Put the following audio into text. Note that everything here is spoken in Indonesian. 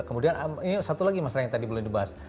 kemudian ini satu lagi masalah yang tadi belum dibahas